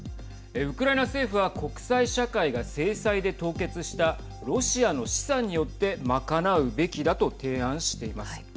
ウクライナ政府は国際社会が制裁で凍結したロシアの資産によって賄うべきだと提案しています。